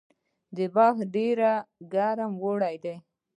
بلخ ډیر ګرم اوړی لري